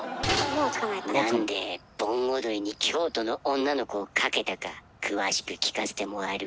なんで盆踊りに「京都の女の子」をかけたか詳しく聞かせてもらえるかい？